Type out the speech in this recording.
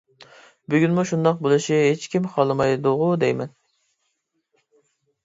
بۈگۈنمۇ شۇنداق بولۇشى ھېچكىم خالىمايدىغۇ دەيمەن.